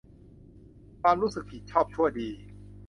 ความรู้สึกผิดชอบชั่วดี